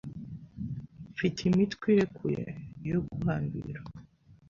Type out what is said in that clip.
Mfite imitwe irekuye yo guhambira.